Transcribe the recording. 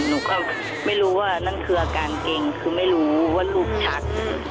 หนูก็ไม่รู้ว่านั่นคืออาการเก่งคือไม่รู้ว่าลูกชัก